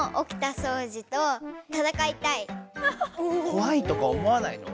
こわいとか思わないの？